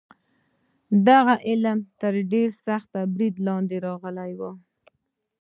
دغه علم تر سخت برید لاندې راغلی و.